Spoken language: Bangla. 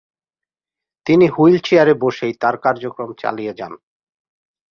তিনি হুইলচেয়ার বসেই তার কার্যক্রম চালিয়ে যান।